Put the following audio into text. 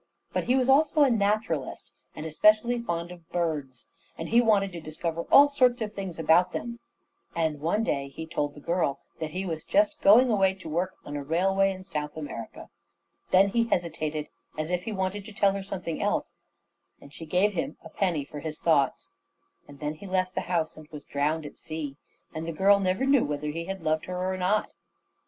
But he was also a naturalist, and especially fond of birds, and he wanted to discover all sorts of things about them; and one day he told the girl that he was just going away to work on a railway in South America. Then he hesitated, as if he wanted to tell her something else, and she gave him a penny for his thoughts; and then he left the house, and was drowned at sea, and the girl never knew whether he had loved her or not.